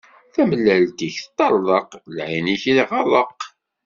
Tamellalt-ik teṭṭeṛḍeq, lɛin-ik iɣeṛṛeq.